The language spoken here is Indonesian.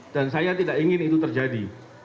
dan saya tidak ingin itu terjadi